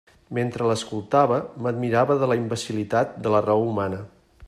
Mentre l'escoltava, m'admirava de la imbecil·litat de la raó humana.